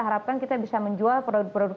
harapkan kita bisa menjual produk produk